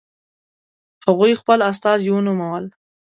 هغوی خپل استازي ونومول.